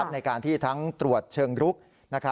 ในการที่ทั้งตรวจเชิงรุก